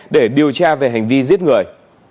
điều tra về hành vi giết người